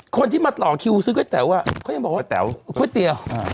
คนที่มาต่อคิวซื้อก๋วยเตี๋ยวอ่ะเขายังบอกว่าแต๋วก๋วยเตี๋ยว